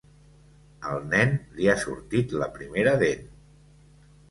Al nen, li ha sortit la primera dent.